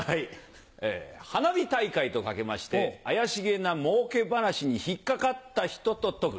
花火大会と掛けまして怪しげなもうけ話に引っかかった人と解く。